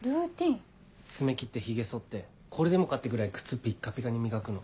爪切ってヒゲそってこれでもかってぐらい靴ピッカピカに磨くの。